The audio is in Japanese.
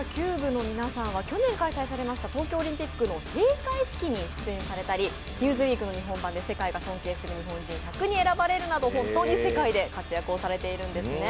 −の皆さんは去年開催されました東京オリンピックの閉会式に出演されたり「ニューズウィーク」の日本版で世界が尊敬する日本人１００に選ばれるなど世界的に活躍されているんですね。